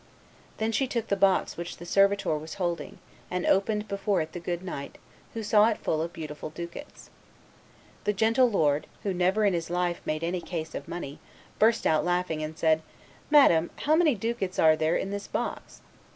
Then she took the box which the servitor was holding, and opened it before the good knight, who saw it full of beautiful ducats. The gentle lord, who never in his life made any case of money, burst out laughing, and said, 'Madam, how many ducats are there in this box?